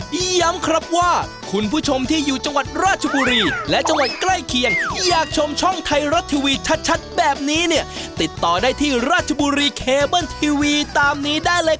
โดยเฉพาะอย่างยิ่งช่องไทยรัดทีวีก็ติดต่อที่ราชบุรีเคเบิ้ลทีวี